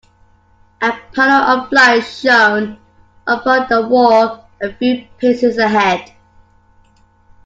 A panel of light shone upon the wall a few paces ahead.